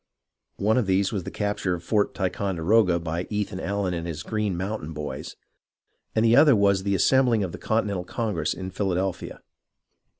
One of these was the capture of Fort Ticonderoga by Ethan Allen and his Green Mountain Boys ; and the other was the assembling of the Continental Congress in Philadelphia.